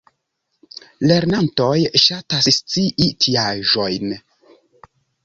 Lernantoj ŝatas scii tiaĵojn!